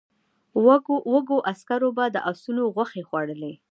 وږو عسکرو به د آسونو غوښې خوړلې.